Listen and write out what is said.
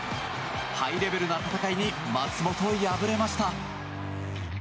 ハイレベルな戦いに松元、敗れました。